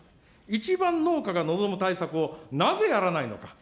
一番農家が望む対策をなぜやらないのか。